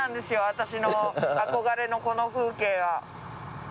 私の憧れのこの風景は。